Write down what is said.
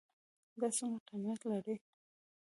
دا څومره قیمت لري ?